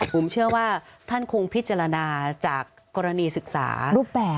ผมเชื่อว่าท่านคงพิจารณาจากกรณีศึกษารูปแบบ